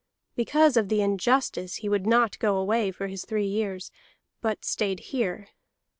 Because of the injustice he would not go away for his three years, but stayed here.